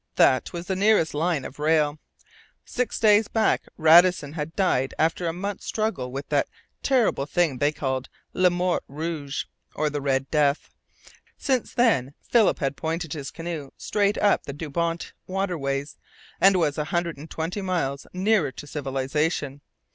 That was the nearest line of rail. Six days back Radisson had died after a mouth's struggle with that terrible thing they called "le mort rouge," or the Red Death. Since then Philip had pointed his canoe straight UP the Dubawnt waterways, and was a hundred and twenty miles nearer to civilization.